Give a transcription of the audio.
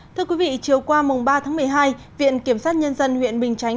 thưa quý vị chiều qua mùng ba tháng một mươi hai viện kiểm sát nhân dân huyện bình chánh